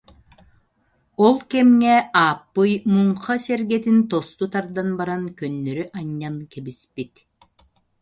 Ол кэмҥэ Ааппый муҥха сэргэтин тосту тардан баран көннөрү анньан кэбиспит